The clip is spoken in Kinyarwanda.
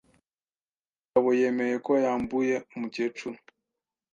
Umugabo yemeye ko yambuye umukecuru.